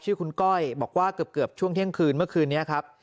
ชื่อคุณก้อยบอกว่าเกือบช่วงเที่ยงคืนเมื่อคืนนี้ครับ